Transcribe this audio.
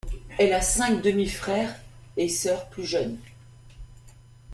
Elle a cinq demi-frères et sœurs plus jeunes.